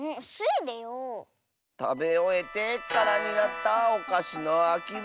たべおえてからになったおかしのあきぶくろのなまえは。